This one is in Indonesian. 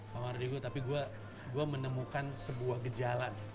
pak mardygu tapi gue menemukan sebuah gejalan